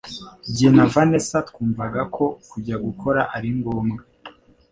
Jye na Vanessa twumvaga ko kujya gukora ari ngombwa